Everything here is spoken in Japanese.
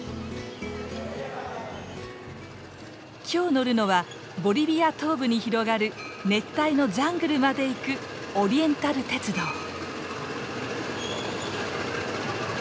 今日乗るのはボリビア東部に広がる熱帯のジャングルまで行くオリエンタル鉄道。